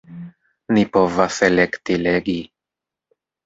Ni povas elekti legi.